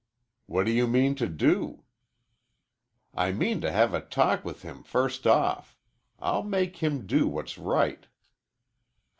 "What do you mean to do?" "I mean to have a talk with him first off. I'll make him do what's right."